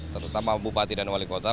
terutama bupati dan wali kota